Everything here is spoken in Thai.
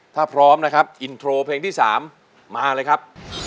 ถ้าพร้อมนะครับอินโทรเพลงที่๓มาเลยครับ